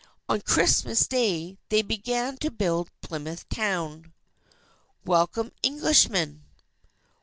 On Christmas day, they began to build Plymouth Town. WELCOME, ENGLISHMEN!